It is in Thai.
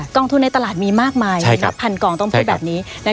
องทุนในตลาดมีมากมายนับพันกองต้องพูดแบบนี้